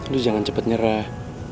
lu jangan cepet nyerah